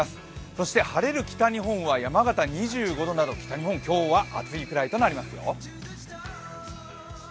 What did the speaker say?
そして晴れる北日本は山形２５度など北日本、今日は暑いくらいとなりますよ。